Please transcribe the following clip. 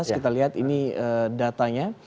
kita lihat ini datanya